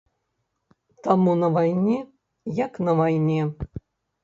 Таму на вайне як на вайне.